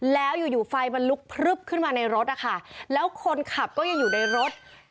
แล้วอยู่ไฟมันลุกพลึบขึ้นมาในรถแล้วคนขับก็จะอยู่ในรถ